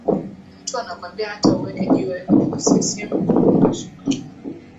mtu anakwambia hata uweke jiwe ccm itashinda